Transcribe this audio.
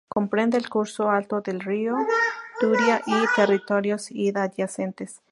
Comprende el curso alto del río Turia y territorios adyacentes.